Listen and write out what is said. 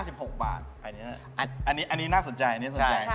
อันนี้หน้าสนใจอันนี้หน้าสนใจอ่ะคะพอครับ